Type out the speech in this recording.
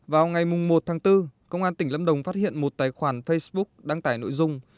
vào ngày một tháng bốn công an tỉnh lâm đồng phát hiện một tài khoản facebook đăng tải nội dung